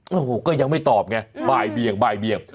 โอ้โหก็ยังไม่ตอบไงบ้ายเบียง